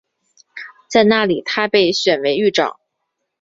在那里他被选为狱长。